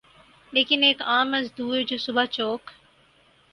لیکن ایک عام مزدور جو صبح چوک